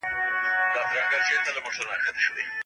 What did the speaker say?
ايډيالوژي د ټولو ستونزو حل نه دی.